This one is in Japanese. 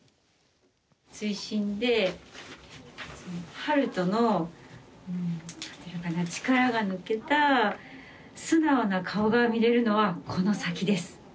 悠人のなんていうのかな、力が抜けた素直な顔が見れるのはこの先です。